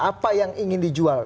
apa yang ingin dijual